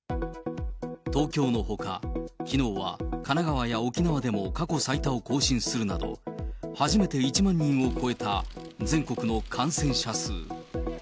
東京のほか、きのうは神奈川や沖縄でも過去最多を更新するなど、初めて１万人を超えた全国の感染者数。